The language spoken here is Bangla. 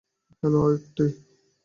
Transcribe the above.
হ্যালো, অক্টি।